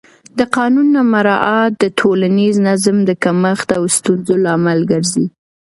د قانون نه مراعت د ټولنیز نظم د کمښت او ستونزو لامل ګرځي